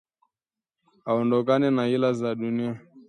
Aondokeane na hila za duiani